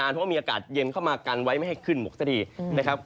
เพราะว่ามีอากาศเย็นเข้ามากันไว้ไม่ให้ขึ้นหมกซะทีนะครับ